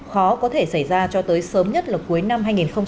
khó có thể xảy ra cho tới sớm nhất là cuối năm hai nghìn hai mươi